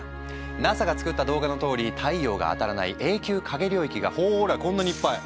ＮＡＳＡが作った動画のとおり太陽が当たらない永久影領域がほらこんなにいっぱい！